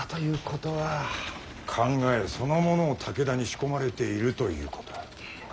考えそのものを武田に仕込まれているということ。